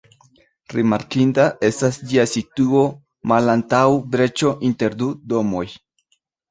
Rimarkinda estas ĝia situo malantaŭ breĉo inter du domoj.